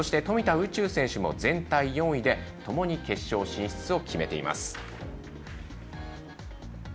宇宙選手も全体４位でともに決勝進出を決めています。